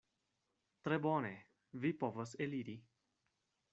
Tre bone: vi povas eliri.